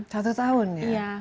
satu tahun ya